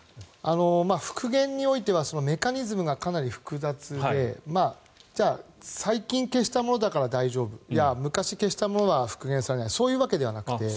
復元においてはメカニズムがかなり複雑で最近消したものだから大丈夫昔消したものは復元されないそういうわけではなくて。